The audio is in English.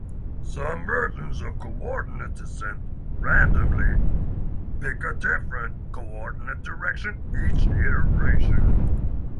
Some versions of coordinate descent randomly pick a different coordinate direction each iteration.